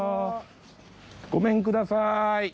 ごめんください。